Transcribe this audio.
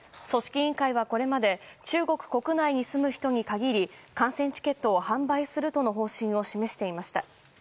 組織委員会はこれまで中国国内に住む人に限り観戦チケットを販売するとの方針を示していました。